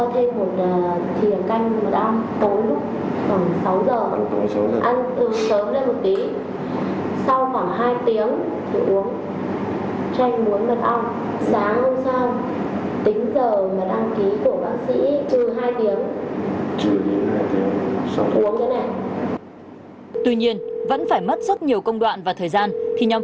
tại một bệnh viện danh tiếng